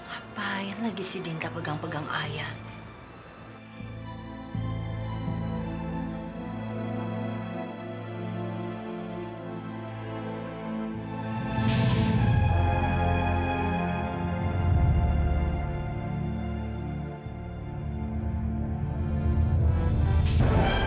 apa yang lagi si dinta pegang pegang ayah